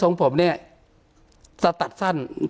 ตกลงยังยังไงคะเรื่องขาวส่องพนธุ์เนี่ย